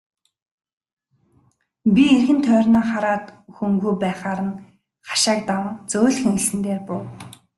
Би эргэн тойрноо хараад хүнгүй байхаар нь хашааг даван зөөлхөн элсэн дээр буув.